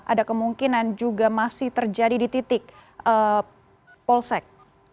ada kemungkinan juga masih terjadi di titik polsek